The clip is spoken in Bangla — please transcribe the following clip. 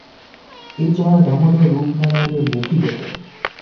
এ চড়া দামোদর-রূপনারায়ণের মুখই বটেন।